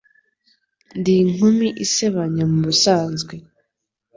Ndi inkumi isebanya mubusanzwe